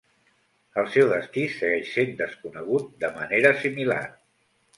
El seu destí segueix sent desconegut de manera similar.